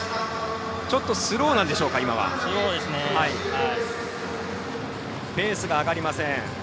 スローなんでしょうか今は。ペースが上がりません。